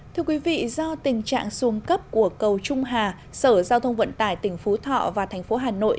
thưa quý vị do tình trạng xuống cấp của cầu trung hà sở giao thông vận tải tỉnh phú thọ và thành phố hà nội